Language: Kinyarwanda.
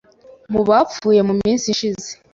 mu bapfuye mu minsi ishize